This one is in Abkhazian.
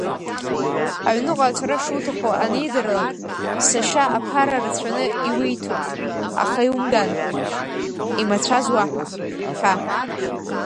Аҩныҟа ацара шуҭаху анидырлак, сашьа аԥара рацәаны иуиҭоит, аха иумган, имацәаз уаҳәа, ҳәа.